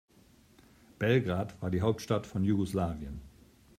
Belgrad war die Hauptstadt von Jugoslawien.